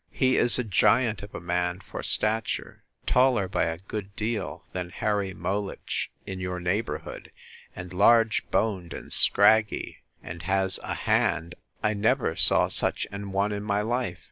He is a giant of a man for stature; taller by a good deal than Harry Mowlidge, in your neighbourhood, and large boned, and scraggy; and has a hand!—I never saw such an one in my life.